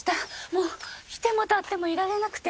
もういても立ってもいられなくて。